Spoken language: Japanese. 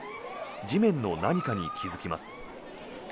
地面の何かに気付きます。